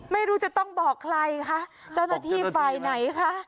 ไม่รู้จะต้องบอกใครคะเจ้าหน้าที่ฝ่ายไหนคะ